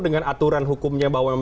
dengan aturan hukumnya bahwa